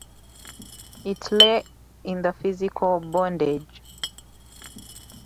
It lay in the physical bondage.